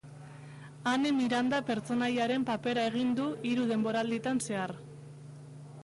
Ane Miranda pertsonaiaren papera egin du hiru denboralditan zehar.